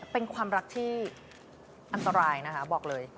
เป็นความรักที่อันตรายนะคะบอกเลย